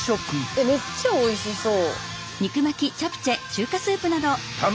えっめっちゃおいしそう。